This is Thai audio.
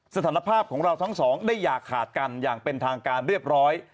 สถานภาพของเราทั้งสองได้อย่าขาดกันอย่างเป็นทางการเรียบร้อย